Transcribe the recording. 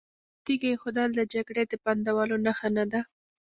آیا تیږه ایښودل د جګړې د بندولو نښه نه ده؟